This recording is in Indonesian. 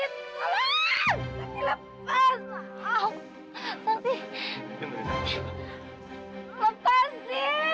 allah sakti lepasin